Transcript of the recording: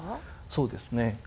そうですね